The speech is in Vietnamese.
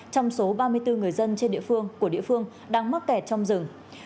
trong số ba mươi bốn người dân trên địa phương của địa phương đang mắc kẹt trong rừng